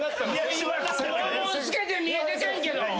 肛門透けて見えててんけど！